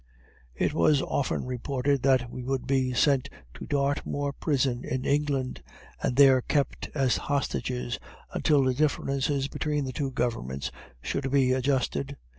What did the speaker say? It was often reported that we would be sent to Dartmoor prison, in England, and there kept as hostages, until the differences between the two governments should be adjusted.